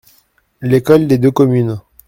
L’école de deux communes.